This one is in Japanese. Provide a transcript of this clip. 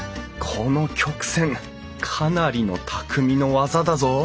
この曲線かなりの匠の技だぞ！